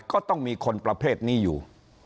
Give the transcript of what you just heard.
ก็ต้องมีคนประเภทนี้อยู่